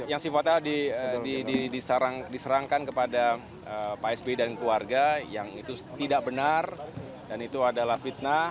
yang sifatnya diserangkan kepada pak sby dan keluarga yang itu tidak benar dan itu adalah fitnah